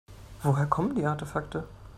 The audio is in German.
Woher kommen die Artefakte?